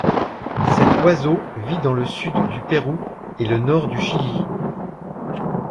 Cet oiseau vit dans le sud du Pérou et le nord du Chili.